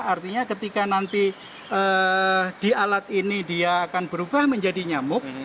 artinya ketika nanti di alat ini dia akan berubah menjadi nyamuk